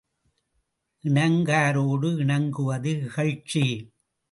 இணங்காரோடு இணங்குவது இகழ்ச்சி.